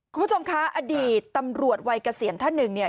คุณผู้ชมคะอดีตตำรวจวัยเกษียณท่านหนึ่งเนี่ย